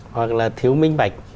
hoặc là thiếu minh bạch